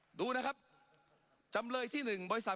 ปรับไปเท่าไหร่ทราบไหมครับ